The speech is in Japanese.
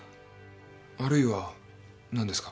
あるいは何ですか？